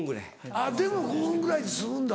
あっでも５本ぐらいで済むんだ。